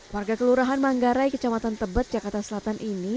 warga kelurahan manggarai kecamatan tebet jakarta selatan ini